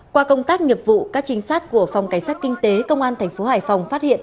qua công tác nghiệp vụ các trinh sát của phòng cảnh sát kinh tế công an thành phố hải phòng phát hiện